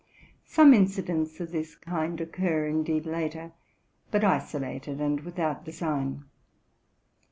Some incidents of this kind occur indeed later, but isolated and without design.